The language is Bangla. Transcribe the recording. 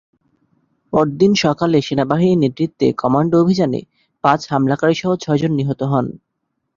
পরদিন সকালে সেনাবাহিনীর নেতৃত্বে কমান্ডো অভিযানে পাঁচ হামলাকারীসহ ছয়জন নিহত হন।